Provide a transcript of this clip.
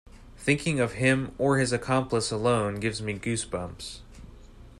Thinking of him or his accomplice alone gives me goose bumps.